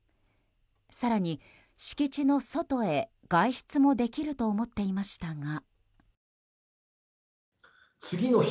更に、敷地の外へ外出もできると思っていましたが。